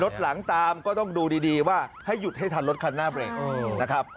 หลังตามก็ต้องดูดีว่าให้หยุดให้ทันรถคันหน้าเบรกนะครับ